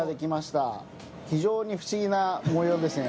・非常に不思議な模様ですね